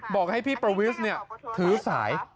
บอกให้พี่ประวิศเนี่ยถือสาย